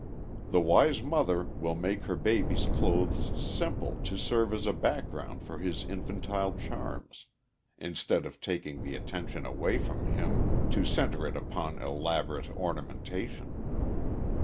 The wise mother will make her baby's clothes simple, to serve as a background for his infantile charms, instead of taking the attention away from him to center it upon elaborate ornamentation.